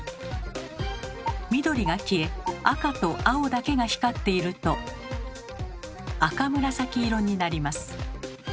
緑が消え赤と青だけが光っていると赤紫色になります。